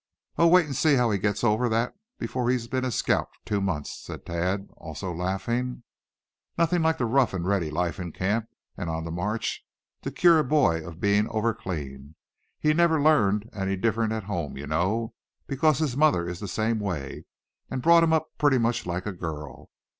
"Oh! wait and see how he gets over that before he's been a scout two months," said Thad, also laughing. "Nothing like the rough and ready life in camp and on the march to cure a boy of being over clean. He'd never learn any different at home, you know, because his mother is the same way, and brought him up pretty much like a girl.